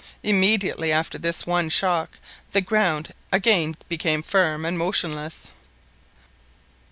Immediately after this one shock, the ground again became firm and motionless.